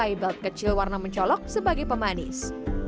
pakai belt kecil warna mencolok sebagai pemanis